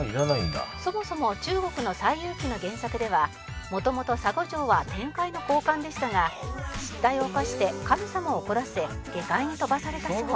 「そもそも中国の『西遊記』の原作では元々沙悟浄は天界の高官でしたが失態を犯して神様を怒らせ下界に飛ばされたそう」